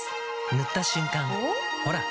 塗った瞬間おっ？